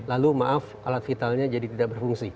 lalu maaf alat vitalnya jadi tidak berfungsi